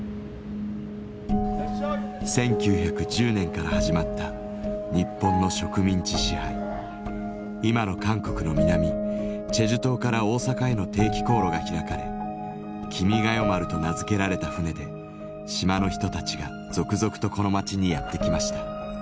１９１０年から始まった日本の植民地支配今の韓国の南チェジュ島から大阪への定期航路が開かれ「君が代丸」と名付けられた船で島の人たちが続々とこの町にやって来ました。